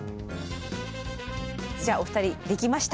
じゃあお二人できました。